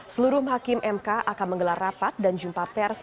seluruh hakim mk akan menggelar rapat dan jumpa pers